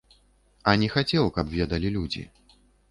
А не хацеў, каб ведалі людзі.